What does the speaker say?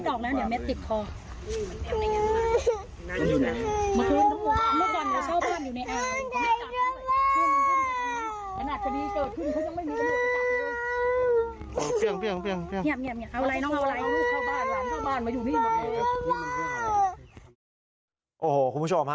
โอ้โหคุณผู้ชมฮะ